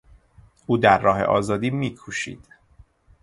او در راه آزادی میکوشید.